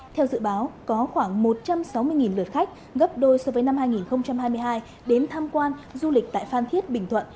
theo dự báo có khoảng một trăm sáu mươi lượt khách gấp đôi so với năm hai nghìn hai mươi hai đến tham quan du lịch tại phan thiết bình thuận